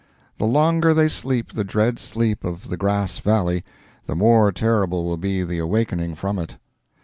The longer they sleep the dread sleep of the Grass Valley, the more terrible will be the awakening from it.